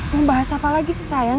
membahas apa lagi sih sayang